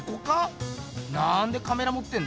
なんでカメラもってんだ？